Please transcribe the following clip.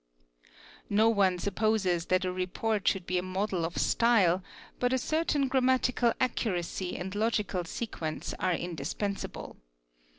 No one supposes that a report should be a model of style, but a certain . Md ins ASAE AD grammatical accuracy and logical sequence are indispensible.